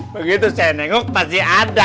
begitu saya nengok pasti ada